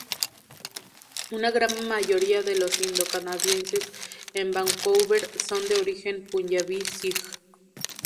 Una gran mayoría de los indo-canadienses en Vancouver son de origen punyabí sij.